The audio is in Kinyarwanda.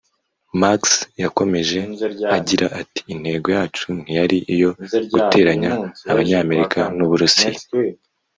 Max yakomeje agira ati “Intego yacu ntiyari iyo guteranya Abanyamerika n’u Burusiya